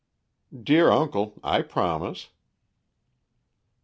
"Dear uncle, I promise."